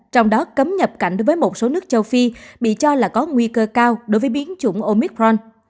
trong đó cấm nhập cảnh đối với một số nước châu phi bị cho là có nguy cơ cao đối với biến chủng omicron